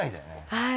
はい。